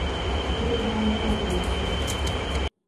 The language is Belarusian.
Гэта быў увогуле цуд.